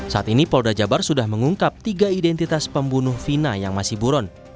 saat ini polda jabar sudah mengungkap tiga identitas pembunuh vina yang masih buron